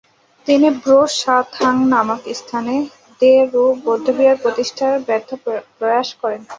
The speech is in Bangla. তিনি 'ব্রো-সা-থাং নামক স্থানে দ্মে-রু বৌদ্ধবিহার প্রতিষ্ঠার ব্যর্থ প্রয়াস করেন।